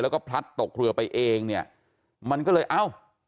แล้วก็พลัดตกเรือไปเองเนี่ยมันก็เลยเอ้า